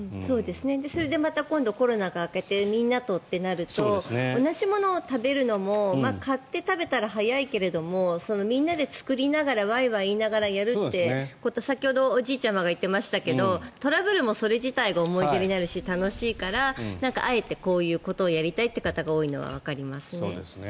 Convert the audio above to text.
それでまた今度コロナが明けてみんなとってなると同じものを食べるのも買って食べたら早いけどみんなで作りながらワイワイ言いながらやるって先ほどおじいちゃまが言っていましたけどトラブルもそれ自体が思い出になるし、楽しいからあえてこういうことをやりたいという方が多いのはわかりますね。